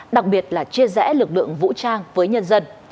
đặc biệt là chia rẽ lực lượng vũ trang với nhân dân